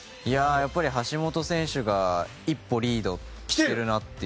やっぱり橋本選手が１歩リードしているなと。